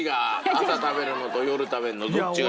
朝食べるのと夜食べるのどっちがいい？